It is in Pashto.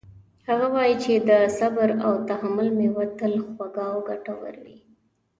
هغه وایي چې د صبر او تحمل میوه تل خوږه او ګټوره وي